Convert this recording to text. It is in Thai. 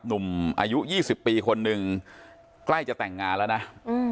หนุ่มอายุ๒๐ปีคนหนึ่งใกล้จะแต่งงานแล้วนะ